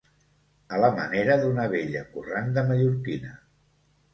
A la manera d’una vella corranda mallorquina.